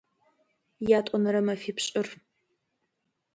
Ятӏонэрэ мэфипшӏыр.